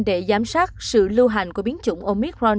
để giám sát sự lưu hành của biến chủng omicron